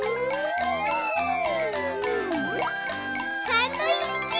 サンドイッチ！